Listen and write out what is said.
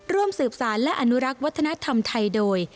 ร่วมสืบสารและอนุรักษ์วัฒนธรรมไทยโดย